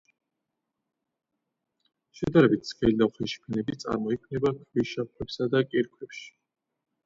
შედარებით სქელი და უხეში ფენები წარმოიქმნება ქვიშაქვებსა და კირქვებში.